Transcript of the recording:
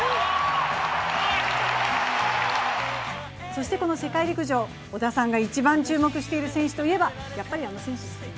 そしてこの世界陸上、織田さんが一番注目している選手といえばやっぱりあの選手ですよね。